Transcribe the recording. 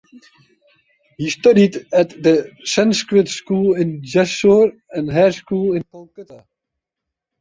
He studied at the Sanskrit school in Jessore and Hare School in Calcutta.